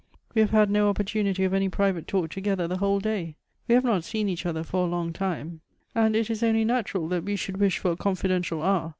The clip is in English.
We have had no opportu nity of any private talk together the whole day. We have not seen each other for a long time, and it is only natural that we should wish for a confidential hour.